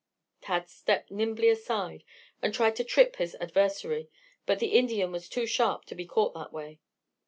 Tad stepped nimbly aside and tried to trip his adversary, but the Indian was too sharp to be caught that way.